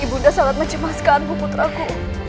ibu unda sangat mencemaskanmu putraku